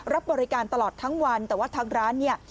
รับบริการตลอดทั้งวันแต่ว่าทางร้านเนี่ย